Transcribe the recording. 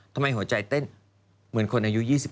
ทำไมหัวใจเต้นเหมือนคนอายุ๒๓